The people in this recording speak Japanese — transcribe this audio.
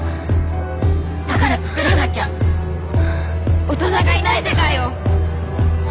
だから作らなきゃ大人がいない世界を。